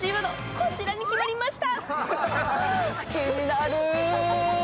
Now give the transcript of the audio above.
こちらに決まりました。